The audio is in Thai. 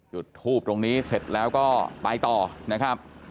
จุดทูบตรงนี้เสร็จแล้วก็ไปต่อนะครับ